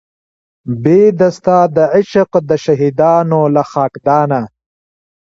بې د ستا د عشق د شهیدانو له خاکدانه